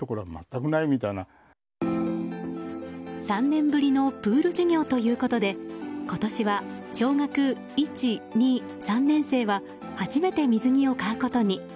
３年ぶりのプール授業ということで今年は小学１、２、３年生は初めて水着を買うことに。